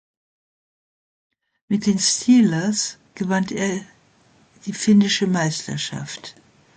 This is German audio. Mit den Steelers gewann er die finnische Meisterschaft.